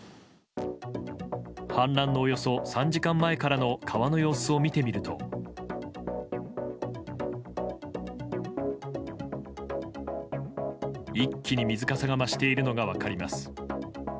氾濫のおよそ３時間前からの川の様子を見てみると一気に水かさが増しているのが分かります。